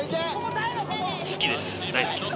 好きです。